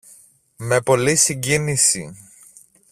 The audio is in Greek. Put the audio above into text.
με πολλή συγκίνηση